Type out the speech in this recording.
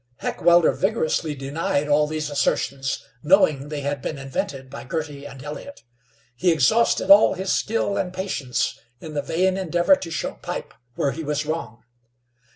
Heckewelder vigorously denied all these assertions, knowing they had been invented by Girty and Elliott. He exhausted all his skill and patience in the vain endeavor to show Pipe where he was wrong.